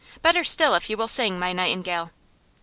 Better still if you will sing, my nightingale!